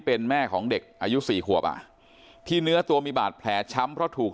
เป็นแม่ของเด็กอายุ๔ขวบอ่ะที่เนื้อตัวมีบาดแผลช้ำเพราะถูก